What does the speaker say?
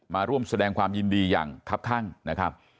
มาร่วมแสดงความยินดีอย่างครับข้างนะครับ